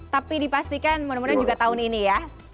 tapi dipastikan mudah mudahan juga tahun ini ya